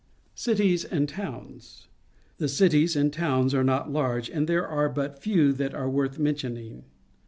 Cities and Towns. — The cities and towns are not large, and there are but few that are worth mentioning.